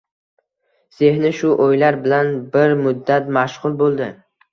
Zehni shu o'ylar bilan bir muddat mashg'ul bo'ldi.